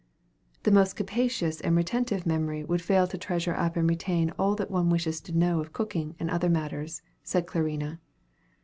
"The most capacious and retentive memory would fail to treasure up and retain all that one wishes to know of cooking and other matters," said Clarina.